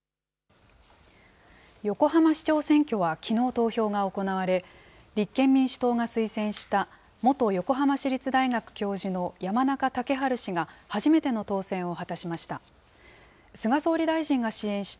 横浜市長選挙はきのう投票が行われ、立憲民主党が推薦した元横浜市立大学教授の山中竹春氏が初めての当選を果たしました。